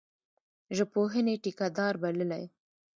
ژبپوهني ټیکه دار بللی.